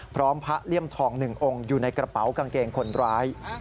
พระเลี่ยมทอง๑องค์อยู่ในกระเป๋ากางเกงคนร้าย